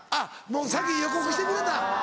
もう先に予告してくれた。